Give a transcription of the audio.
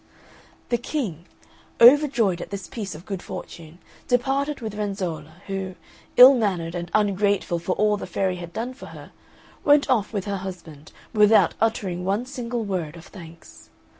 The King, overjoyed at this piece of good fortune, departed with Renzolla, who, ill mannered and ungrateful for all the fairy had done for her, went off with her husband without uttering one single word of thanks.